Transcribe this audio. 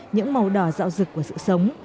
những màu đỏ dạo dực của sự sống